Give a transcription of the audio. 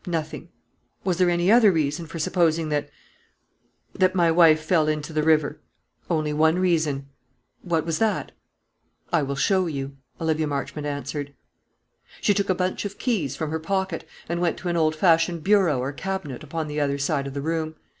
"Nothing." "Was there any other reason for supposing that that my wife fell into the river?" "Only one reason." "What was that?" "I will show you," Olivia Marchmont answered. She took a bunch of keys from her pocket, and went to an old fashioned bureau or cabinet upon the other side of the room.